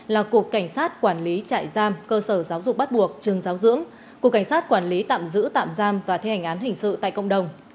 là cục cảnh sát quản lý trại giam cơ sở giáo dục bắt buộc trường giáo dưỡng cục cảnh sát quản lý tạm giữ tạm giam và thi hành án hình sự tại cộng đồng